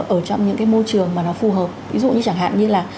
ở trong những cái môi trường mà nó phù hợp ví dụ như chẳng hạn như là